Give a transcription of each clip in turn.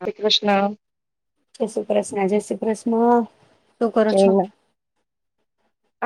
શ્રી કૃષ્ણ કે સુું પ્રશ્ન [unintelligible] [unintelligible] પ્રશ્ન શું કરો છો?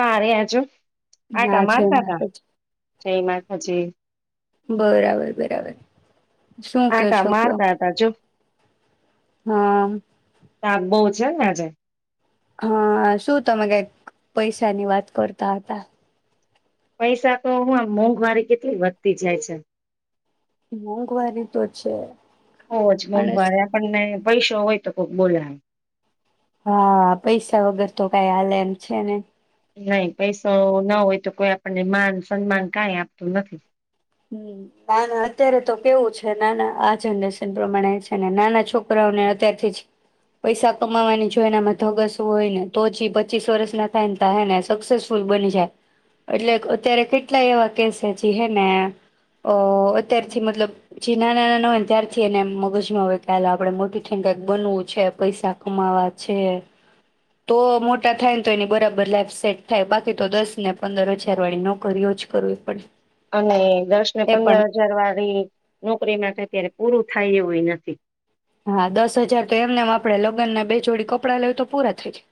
આ રહ્યા જો. હા આટા જય મારતા તા માતાજી. જય માતાજી બરાબર-બરાબર, શું કયો આટા છો કયો, મારતા હતા જો હા. [unintelligible] આજે હા, શું તમે કાઈક પૈસાની વાત કરતા હતા? પૈસા તો હું આમ મોંઘવારી કેટલી વધતી જાય છે. મોંઘવારી તો છે. હો, જ અને મોંઘવારે આપણને પૈશો હોય તો કોઈક બોલાવે હા, પૈસા વગર તો કઈ હાલે એમ છેને નઈ પૈસો ના હોય તો કોઈ આપણને માન, સન્માન કઈ આપતું નથી. નાના અત્યારે તો કેવું છે, નાના આ જનરેશન પ્રમાણે છે ને, નાના છોકરાઓને અત્યારથી જ પૈસા કમાવાની જો એનામાં ધગસ હોય ને, તોજ પચીસ વર્ષ ના થાય ને ત હેને સક્સેસફુલ બની જાય, એટલે અત્યારે કેટલા એવા કેસે જે હેને અહ અત્યારથી મતલબ જે નાના નાના હોય ને ત્યારથી એને મગજમાં હોય કે હાલ આપડે મોટી ઠને કઈક બનવું છે, પૈસા કમાવા છે, તો મોટા થાય ને તો એની બરાબર લાઈફ સેટ થાય, બાકી તો દસ ને પંદર હજાર વાળી નોકરીઓ જ કરવી પડે. અને દસ ને એ પણ પંદર હજાર વાળી નોકરીમાં [unintelligible] ત્યારે પૂરું થાય એવુંએ નથી. હા, દસ હજાર તો એમનેમ આપણેે લગ્નને બે જોડી કપડાં લેવો, તો પૂરા થઈ જાય.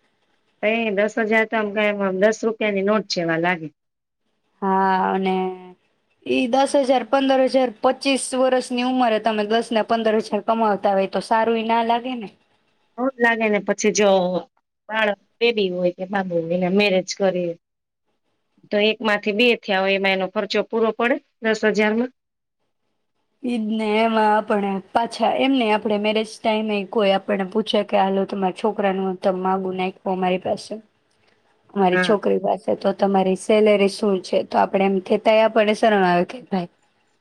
એ દસ હજાર તો આમ કંઈ દસ રૂપિયાની નોટ જેવા લાગે. હા અને ઈ દસ હજાર, પંદર હજાર, પચીસ વર્ષની ઉંમરે તમે દસ ને પંદર હજાર કમાવતા હોય, તો સારુંઈ ના લાગે ને? નોજ લાગે ને, પછી જો બાળક બેબી હોય કે બાબુને મેરેજ કરી, તો એકમાંથી બે થયા હોય એમાં એનો ખર્ચો પૂરો પડે, દસ હજારમાં ઈદ ને એમાં આપણે પાછા એમ ને આપણે મેરેજ ટાઈમ કોઈ આપણને પૂછે કે હાલ તમારા છોકરાનું માગું નાખવો અમારી પાસે મારી હા છોકરી પાસે તો તમારી સેલરી શું છે, તો આપડે એમ કહેતાએ આપણને શરમ આવ કે ભાઈ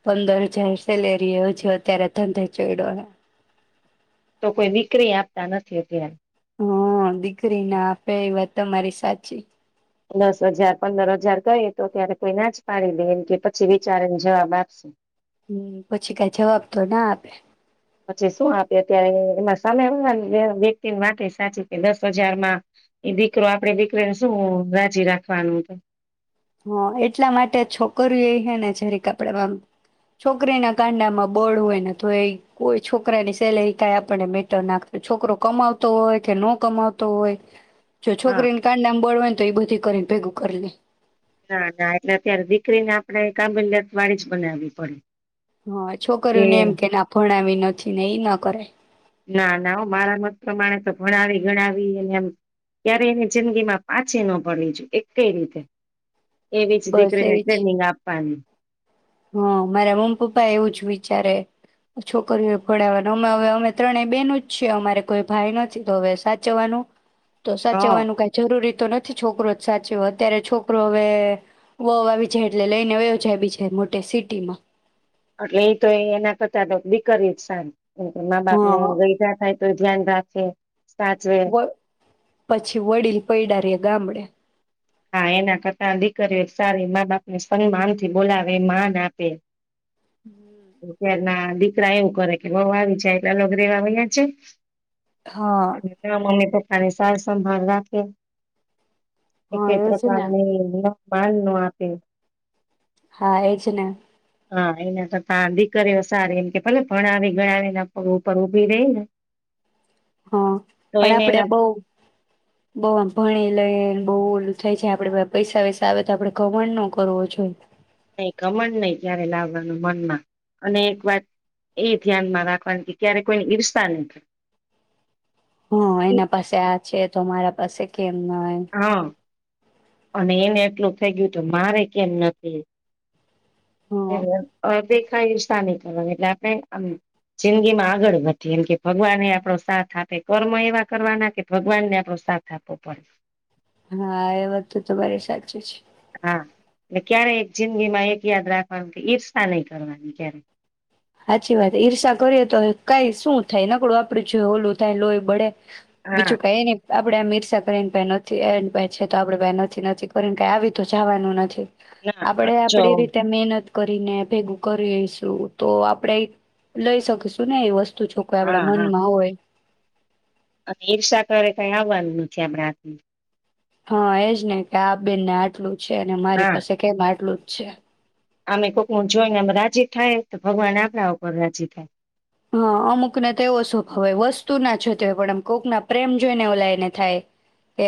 પંદર હજાર સલેરી એવ છે, અત્યારે ધંધે ચયડો હે. તો કોઈ દીકરી આપતા નથી અત્યારે. હુ દીકરી ના આપે એ વાત મારી સાચી. દસ હજાર પંદર હજાર કઈ તો ત્યારે કોઈ ના જ પાડી દેમ કે પછી વિચારેને જવાબ આપીશું. હું પછી કઈ જવાબ તો ના આપે. પછી શું આપે અત્યારે એમાં સામે વા વ્યક્તિની વાત સાચી કે દસ હજાર માં એ દીકરો આપણે દીકરીને શું રાજી રાખવાનું છે. હા એટલા માટે છોકરી એ હે ને જરીક આપણે છોકરીના કાંડામાં બળ હોય ને તો એ કોઈ છોકરાની સેલેરી કાંઈ આપણે મેટર ના‌ કરે છોકરો કમાવતો હોય કે ન કમાવતો હોય. જો હા છોકરીના કાંડા બળ હોય ને તો એ બધી કરી ને. ભેગું કરેલી. ના ના એટલે અત્યારે દીકરીને આપણે કાબુલિયત વાળી જ બનાવવી પડે. હા છોકરીઓને એમ કે ના ભણાવી નથી ને એઈ ના કરાય. ના ના હો મારા મત પ્રમાણે તો ભણાવી ગણાવીને એમ ક્યારે એની જિંદગી માં પાછી ન પડવી જોઈએ, એક કઈ રીતે. એવી જ બસ દીકરીને એવી જ ટ્રેનિંગ આપવાની. હા મારા મમ્મી પપ્પા એવું જ વિચારે છોકરી ભણાવવાનું અમે હવે અમે ત્રણે બેનુ જ છીએ અમારે કોઈ ભાઈ નથી તો હવે સાચવાનું. તો હ સાચવવાનું કઈ જરૂરી. તો નથી છોકરો જ સાચો અત્યારે છોકરો હવે વોવ આવી જાય એટલે લઈને વયો જાય બીજે મો. ડેસીટીમાં. એટલે એ તો એના કરતા દીકરી જ સારી મા બાપ ને હા ગયઢા‌ થાય તો ધ્યાન રાખે. સાચવે. વ પછી વડીલ પૈડારે ગામડે. હા એના કરતા દીકરીઓ સારી મા બાપને સન્માન થી બોલાવે માન આપે અત્યાર ના દીકરા એવું કરે કે વવુ આવી જાય એટલે અલગ રેવા વયા છે. હા ના મમ્મી પપ્પા ની સાર સંભાળ રાખે. હા એકેય એ જ ને પ્રકારની નહીં પાણી નો આપે. હા એજ ને. હા એના તો ત દીકરીઓ સારી એમ કે ભલે ભણાવી ગણાવીને ઉપર ઉભી રહી ને. હ તો પણ એને આપડે એના બહું બહું ભણી લઈ. બઉુ ઓલું થાય છે આપડે પૈસા વૈસા આવે તો આપડે ઘમણ નો કરવો જોએ. કાંઈ ધમંડ નહી જ્યારે લાવવાનું મનમાં અને એક વાત એ ધ્યાનમાં રાખવાની કે ક્યારે કોઈ ઈર્ષા નહી થાય. હા એના પાસે આ છે તો મારા પાસે. એમ નો એમ. હા અને એને એટલું થઈ ગયું તો મારે કેમ નથી. એ હા અદેખાઈ ઈષૉ નઈ કરવાની એટલે આપણે આમ જિંદગી માં આગળ વધીએ એમ કે ભગવાન આપણો સાથ આપે કર્મ એવા કરવાના કે ભગવાનને આપણો સાથ આપવો પડે. હા એ બધું તો મારી સાચું છે. હા એ ક્યારે એક જિંદગી માં એક યાદ રાખવાનું કે ઈર્ષા નહી કરવાની ક્યારે. સાચી વાત ઈર્ષા કરીએ તો કઈ શું થાય નકળું આપડું જોય ઓલું થાય લોહી બળે. હા બીજુ કહે ને. આપડે આ ઈષૉ કરીને [unintelligible] આપડે ભ નથી નથી કરીને કઈ આવી તો જવાનું નથી ના અ આપડે જો આપડી રીતે મેહનત કરીને ભેગું કરી લેશું. તો આપણેે લઈ શકીશું ને એ વસ્તુ તો જોકઈ આપડા મનમાં હોય આમ ઈર્ષા કરે કઈ આવવાનું નથી આપણે [unintelligible] હા એજ ને કે આ બેનને આટલું છે ને મારી હા પાસે કેમ આટલું છે આમે કોકનુ જોઈનેમ રાજી થાય ભગવાન આપણા ઉપર રાજી થાય. હ અમુક ને તો એવો સ્વભાવ હોય વસ્તુ ના જોતે પણ આમ કોક ના પ્રેમ જોઈને ઓલા લઈને થાય કે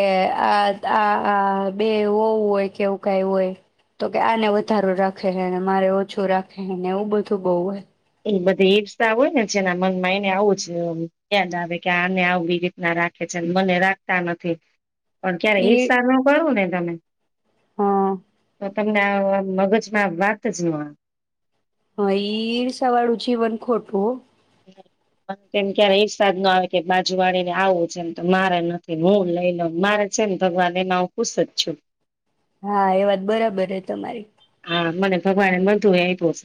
આ આ આ બે વવ હોય કે એવું કઈ હોય તો કે આને વધારું રાખે ન મારે ઓછું રાખેને એવું બધું બહુ હોય. એ બધી ઈર્સા હોય ને જેના મનમાં એને આવું જ ચ યાદ આવે કે આને આવ બી રીતના રાખે છે મને રાખતા નથી. પણ ક્યારે ઇર્ષા ન કરો ને તમે હઅ તો તમને આવ મગજમાં વાત જ ન આવ. હ ઈ ઈરસાવાળું જીવન ખોટું ઓ કેમ ક્યારે ઈરસાદ જ ન આવે કે બાજુ વાળી ને આવું છે એમ તો મારે નથી હું લઈ લઉ મારે છે ને ત ભગવાન એમાં હું ખુશ જ છું. હા એ વાત બરાબર છે તમારી હ મને ભગવાને બદુએ એ આપ્યું છે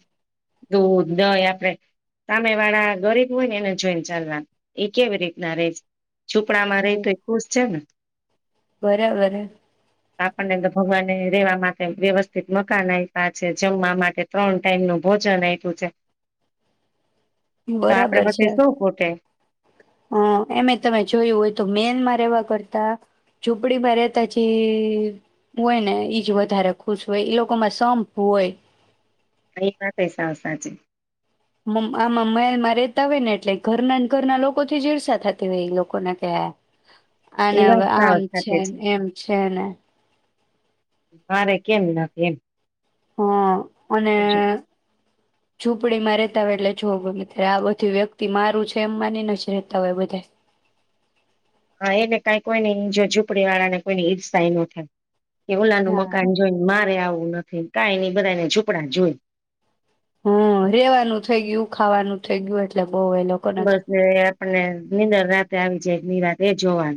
દૂધ, દહી આપણેે સામે વાળા ગરીબ હોય ને એને જોઈને ચાલવા એ કેવી રીતના રેય છે. છુપડા માં રહી તો હમ એ ખુશ છે ને. બરાબર હે આપણને તો ભગવાન રેવા માટે વ્યવસ્થિત મકાન અયપા છે. જમવા માટે ત્રણ ટાઈમ નું ભોજન આપ્યું છે. તો આપડે [unintelligible] શું ખોટે હ એમે તમે જોયું હોય તો મેનમાં રહેેવા કરતા ઝૂંપડીમાં રહેેતા જી હોય ને ઈજ વધારે ખુશ હોય. એ લોકોમાં સંપ હોય. એ વાત એ સાવ સાચી. મમ આ મમ્મય માં રેતા હોય ને એટલે ઘરના ઘરના લોકો થી જીવ સાથાં થતી હોય એ લોકોને ત્યા. અને એ વાત હવે સાવ આમ છે, સાચી એમ છે ને. મારે કેમ ના કેમ હા અને ઝુંંપડી માં રેતા હોય એટલે જોવ ગમે ત આ બધું વ્યક્તિ મારું છે એમ માનીને જ રતા હોય બધાય. હા એને કઈ કોઈ નઈ જો ઝૂપડી વાળા ને કોઈની ઈર્ષાએ નો થાય. એવું નાનુ હા. મકાન જોઈને મારે આવું ના ફીણ કાંઈ નઈ બધા ને ઝોપડા જો. હમ્મ. રેવાનું થઇ ગયું ખાવાનું થઇ ગયું એટલે બહુ એ લોકો ને તો. પણને નીંદર રાતે આવી જાય ની રાહ એ જોવાન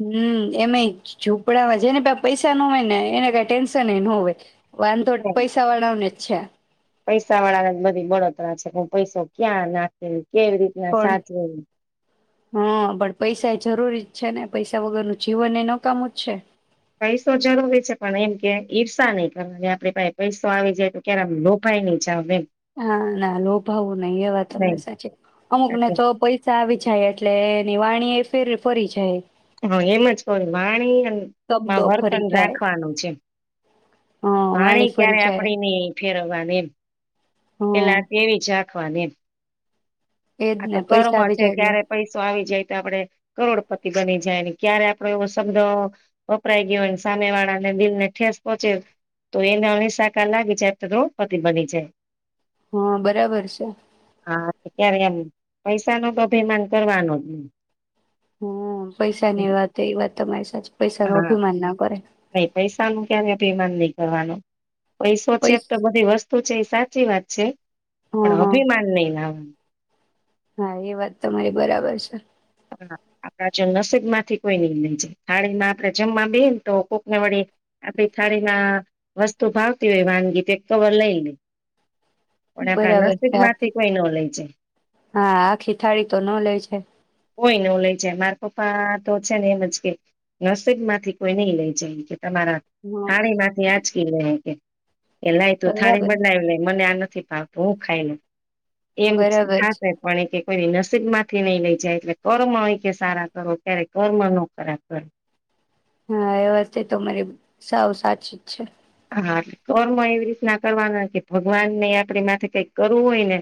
હમ્મ. એમે ઝૂંપડવા જેને પા પૈસા ના હોય ને એને કઈ ટેન્શન એ ના હોય. વાંધોટ પૈસા વાળા ઓને છા. પૈસા વાળા ને બધી બળતરા છે, કે હું પૈસો ક્યાં નાખુ. કેવી રીતના પણ સાચવું. હા પણ પૈસા એ જરૂરી જ છે ને, પૈસા વગરનું જીવન એ નકામું જ છે. પૈસો જરૂરી છે, પણ એમ કે ઈર્ષા નહી કરવાની આપણી પાહે પૈસો આવી જાય તો, ક્યારે લોભાઈ નઈ જાવ એમ હા, ના લોભાવું નઈ, એ વાત નહી તમારી સાચી. અમુક ને તો પૈસા આવી જાય એ એટલે નિવાણી એ ફેર ફરી જાય. હા, એમજ કહુ વાણીમાં શબ્દો વર્તન ફરી જાય રાખવાનું છે. હા વાણી પાણી ફરી ક્યારે જાય આપડે ની ફેરવવાનું. [inaudible] હા પેલા તેવી છા રાખવાની એમ એજ આ તો ને કર્મ પૈસા આવી છે. જાય એટલે ક્યારે પૈસો આવી જાય તો, આપડે કરોડ પતિ બની જાય ને ક્યારે આપડો શબ્દ વપરાય ગયો હોય ને સામે વાળાને દિલને ઠેસ પહોંચે તો, એના [unintelligible] સાકાર લાગી જાય તો દ્રોપતિ બની જાય. હા, બરાબર છે. હા ત્યારે એમ પૈસા નો તો અભિમાન કરવાનો જ નય. હા, પૈસાની વાત એ વાત તમારી સાચ પૈસા નું અભિમાન ના કરાય. નઈ પૈસા નું ક્યારે અભીમાન નય કરવાનું. પૈસો છેજ તો, પૈસા બધી વસ્તુ છે. એ સાચ સાચી વાત છે હા પણ હા અભિમાન નઈ લાવવાનું હા એ વાત તમારી બરાબર છે. હા. આપડા જો નસીબ માંથી કોઈ નઈ લઈ જાય. થાળીમાં આપડે જમવા બેહે તો કોકને વડી, આપડી થાળીમાં વસ્તુ ભાવતી હોય, વાનગી તે એક કવર લઈ લે. પણ આપણા બરાબર નસીબ છે. માંથી આખી કોઈ ન લઈ જાય હા, આખી થાળી તો ન લે છે. કોઈ ન લઈ જાય, મારા પપ્પા તો છે ને, એમ જ કે નસીબ માંથી કોઈ ની લે જાય. તમારા હ થાળી માંથી આંચકી લે કે એ લાયે તો, થાળી બરાબર બદલાવ મને આ નથ થી પા પૂહ ખાયલું એમ બરાબર છે થાશે પણ એ કોઈ નસ સીબ મા થીની જાય એટલે કર્મ એ કેય કે સારા કરો, કયારે કર્મ નો કરાબ કરો. હા એ વાતતે તો મારી સાવ સાચી જ છે. હા કર્મ એવી રીતના કરવાના કે ભગવાન ને આપણી માથે કઈક કરવું હોય ને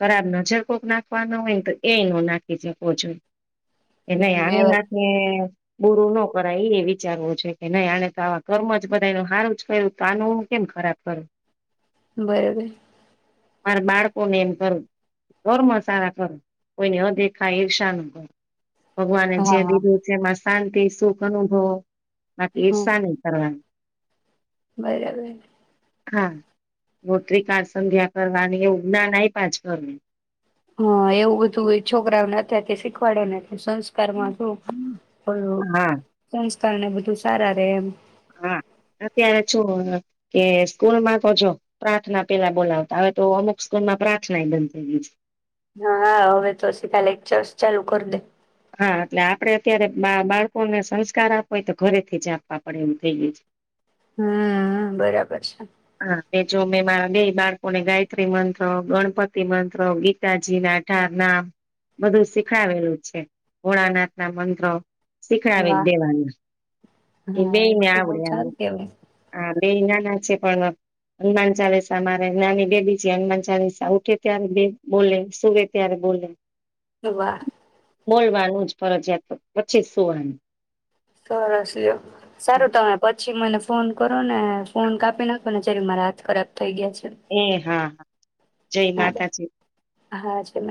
ખરાબ નજર કોક નાખવાનો હોય ને તો એ ન નાખી શકવો જોઈએ એટલે હમ એ આની વાત નાથી બુરું ન કરાય એ એ વિચારવું જોઈએ કે નહી આ તો આવા કર્મ જ બધા એ ન હારું પેલું તાનું કેમ ખરાબ કરું બરોબર મારા બાળકોને એમ કરું કર્મ સારા કરું કોઈની અદેખા ઈર્ષા ન કર ભગવાને છે, હા દીધું છે. શાંતિ સુખ અનુભવ ના હમ ઈર્ષા ની કરવાની બરાબર હા રોટરી કાર સંધ્યા કરવાની એ ઉ ના નાઈ પાછર હા એવું બધું એ છોકરાઓને અત્યારથી શીખવાડે સંસ્કારમાં શું હા કારણે બધું સારા ર એમ હા અત્યારે છું, કે સ્કૂલમાં તો જો પ્રાર્થના પેલા બોલાવતા હવે તો અમુક સ્કૂલ માં પ્રાર્થનાય બંધ થઈ ગઈ છે. હા હવે તો સીધા લેક્ચરસ ચાલુ કરી દે હા એટલે આપડે અત્યારે બા બાળકોને સંસ્કાર આપવા હોય તો ઘરેથી જ આપવા પડે એવું થઈ ગય છે. હમ બરાબર છે. હા એ જો મેં મારા બે બાળકોને ગાયત્રી મંત્ર ગણપતિ મંત્ર ગીતાજી ના અઢાર નામ બધું શીખાવેલું છે, ભોળાનાથ ના મંત્ર શીખડાવી વાહ દેવાનું એ હા બેઈ ને બધું બઉ આવડે સારું કેવાય હા બે નાના છે, પણ હનુમાન ચાલીસા મારે નાની બેબી છે, હનુમાન ચાલીસા ઉઠે ત્યારે બે બોલે સુવે ત્યારે બોલે વાહ બોલવાનું જ ફરજયાત પછી જ સૂવાનું સરસ લ્યો સારું તમે પછી મને ફોન કરો ને ફોન કાપી નાખો ચ્યારે મારા હાથ કરત એ હા હા જય હા બે માતાજી હા છે મ